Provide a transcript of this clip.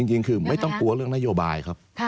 จริงคือไม่ต้องกลัวเรื่องนโยบายครับ